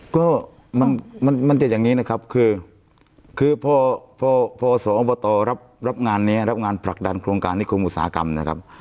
ก็มันจะอย่างนี้นะครับคือพอพอสอบตรับงานนี้รับงานผลักดันโครงการนิคมอุตสาหกรรมนะครับ